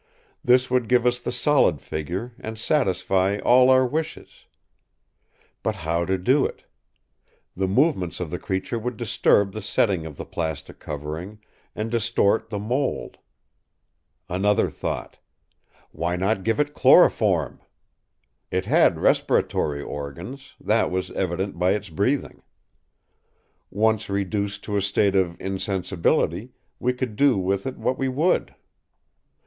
This would give us the solid figure, and satisfy all our wishes. But how to do it. The movements of the creature would disturb the setting of the plastic covering, and distort the mould. Another thought. Why not give it chloroform? It had respiratory organs—that was evident by its breathing. Once reduced to a state of insensibility, we could do with it what we would.